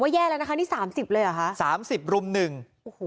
แย่แล้วนะคะนี่สามสิบเลยเหรอคะสามสิบรุ่มหนึ่งโอ้โห